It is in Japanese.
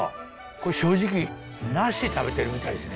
これ正直梨食べてるみたいですね。